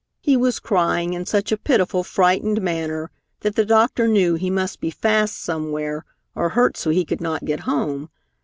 He was crying in such a pitiful, frightened manner that the doctor knew he must be fast somewhere or hurt so he could not get home.